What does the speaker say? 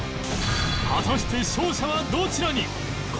果たして勝者はどちらに？